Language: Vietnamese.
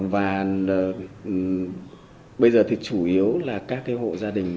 và bây giờ thì chủ yếu là các hộ gia đình cũng đã chuyển về và sinh sống ổn định